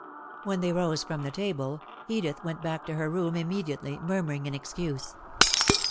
When they rose from the table, Edith went back to her room immediately, murmuring an excuse.